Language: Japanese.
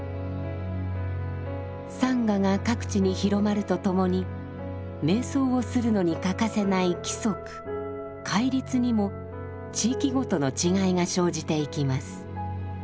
サンガが各地に広まるとともに瞑想するのに欠かせない規則「戒律」にも地域ごとの違いが生じていきます。